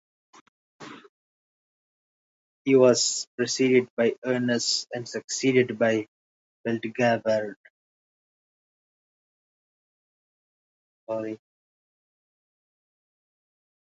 He was preceded by Oenus and succeeded by Beldgabred.